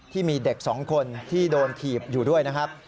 ที่มีเด็ก๒คนที่โดนถีบอยู่ด้วยนะครับ